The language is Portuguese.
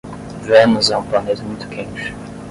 Vênus é um planeta muito quente.